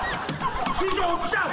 師匠落ちちゃう。